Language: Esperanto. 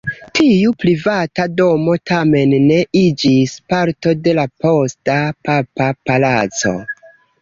Tiu privata domo tamen ne iĝis parto de la posta papa palaco.